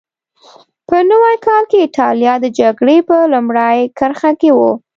په نوي کال کې اېټالیا د جګړې په لومړۍ کرښه کې وه.